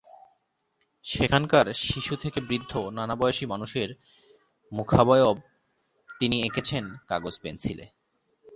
সেখানকার শিশু থেকে বৃদ্ধ নানা বয়সী মানুষের মুখাবয়ব তিনি এঁকেছেন কাগজ-পেনসিলে।